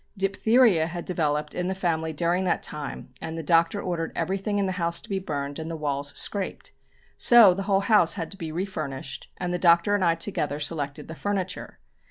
Diphtheria had developed in the family during that time and the Doctor ordered everything in the house to be burned, and the walls scraped. So the whole house had to be refurnished, and the Doctor and I together selected the furniture.